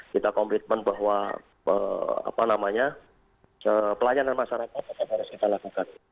kita komplitmen bahwa pelayanan masyarakat itu harus kita lakukan